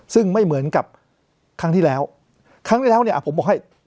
ซึ่งไม่เหมือนกับครั้งที่แล้วครั้งที่แล้วเนี่ยผมบอกให้